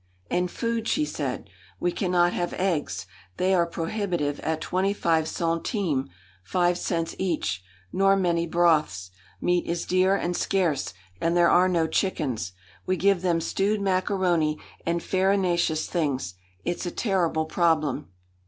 "And food!" she said. "We cannot have eggs. They are prohibitive at twenty five centimes five cents each; nor many broths. Meat is dear and scarce, and there are no chickens. We give them stewed macaroni and farinaceous things. It's a terrible problem."